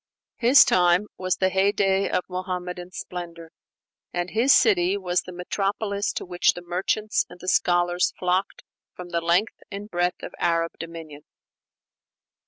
His time was the heyday of Muhammadan splendor; and his city was the metropolis to which the merchants and the scholars flocked from the length and breadth of Arab dominion.